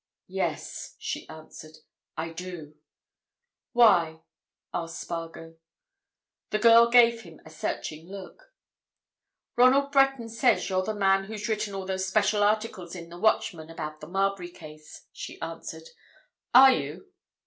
"Yes," she answered. "I do." "Why?" asked Spargo. The girl gave him a searching look. "Ronald Breton says you're the man who's written all those special articles in the Watchman about the Marbury case," she answered. "Are you?"